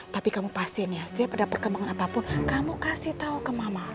tapi kamu pastiin ya setiap ada perkembangan apapun kamu kasih tahu ke mama